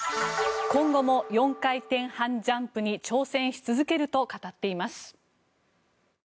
今後も４回転半ジャンプに挑戦し続けると語っています。